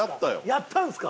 やったんですか？